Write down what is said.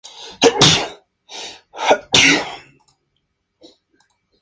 El campeón fue el Yomiuri Club, por tercera vez en su historia.